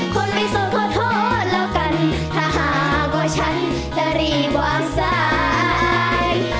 คนไม่โสดขอโทษแล้วกันถ้าหากว่าฉันจะรีบวางสาย